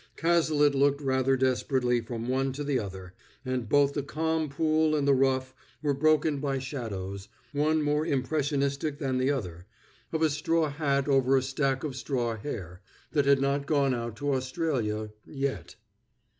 Cazalet looked rather desperately from one to the other, and both the calm pool and the rough were broken by shadows, one more impressionistic than the other, of a straw hat over a stack of straw hair, that had not gone out to Australia yet.